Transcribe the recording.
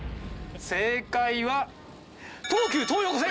正解は東急東横線。